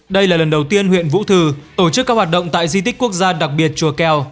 đây là lần đầu tiên huyện vũ thư tổ chức các hoạt động tại di tích quốc gia đặc biệt chùa keo